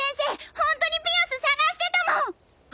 ホントにピアス探してたもん！